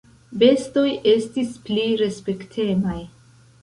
"Bestoj estis pli respektemaj."